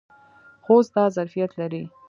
خوست دا ظرفیت لري.